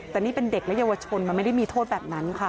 แต่นี่เป็นเด็กและเยาวชนมันไม่ได้มีโทษแบบนั้นค่ะ